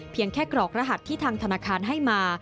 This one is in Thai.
แค่กรกรหัสที่ทางธนาคารให้มา